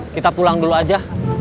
kita pulang dulu aja